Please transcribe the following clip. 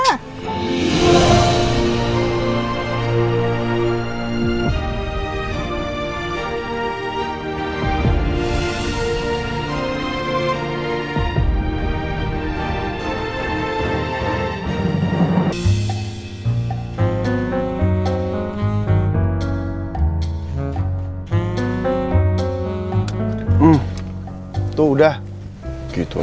yang belume itu udah melahirkan